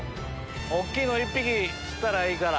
大きいの１匹釣ったらいいから。